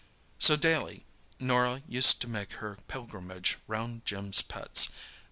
So daily Norah used to make her pilgrimage round Jim's pets.